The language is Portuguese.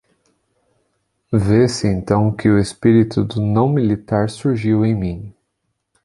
Vê-se então que o espírito do não-militar surgiu em mim.